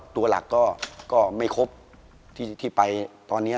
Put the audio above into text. ตัวหลักก็ไม่ครบที่ไปตอนนี้